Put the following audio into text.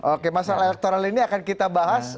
oke masalah elektoral ini akan kita bahas